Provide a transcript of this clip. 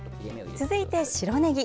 続いて白ねぎ。